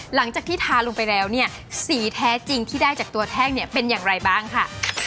หลังจากที่ทาลงไปแล้วเนี่ยสีแท้จริงที่ได้จากตัวแท่งเนี่ยเป็นอย่างไรบ้างค่ะ